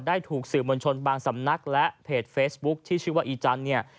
ถูกสื่อมวลชนบางสำนักและเพจเฟซบุ๊คที่ชื่อว่าอีจันทร์เนี่ย